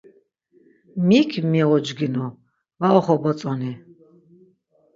Mik mi ocginu var oxobotzoni?